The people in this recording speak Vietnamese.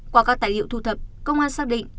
qua các tài liệu thu thập công an xác định